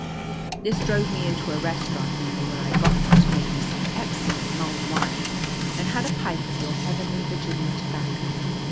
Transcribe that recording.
This drove me into a restaurant near, where I got them to make me some excellent mulled wine, and had a pipe of your heavenly Virginia tobacco.